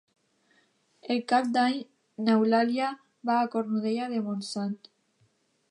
Per Cap d'Any n'Eulàlia va a Cornudella de Montsant.